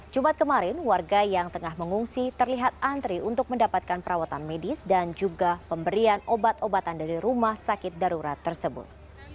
jumat kemarin warga yang tengah mengungsi terlihat antri untuk mendapatkan perawatan medis dan juga pemberian obat obatan dari rumah sakit darurat tersebut